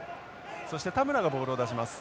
そして田村がボールを出します。